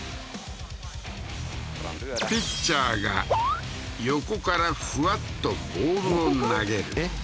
ピッチャーが横からフワッとボールを投げるえっ？